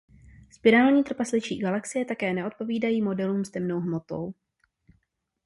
Spirální trpasličí galaxie také neodpovídají modelům s temnou hmotou.